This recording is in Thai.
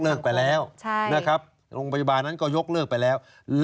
ไปแล้วนะครับโรงพยาบาลนั้นก็ยกเลิกไปแล้ว